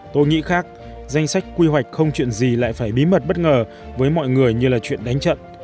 tôi nghĩ khác danh sách quy hoạch không chuyện gì lại phải bí mật bất ngờ với mọi người như là chuyện đánh trận